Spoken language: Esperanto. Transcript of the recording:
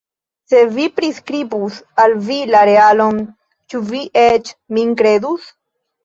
Se mi priskribus al vi la realon, ĉu vi eĉ min kredus?